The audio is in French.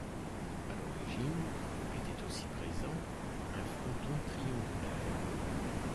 À l'origine, était aussi présent un fronton triangulaire.